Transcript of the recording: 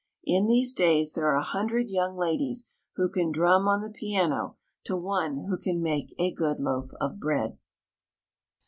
In these days there are a hundred young ladies who can drum on the piano to one who can make a good loaf of bread.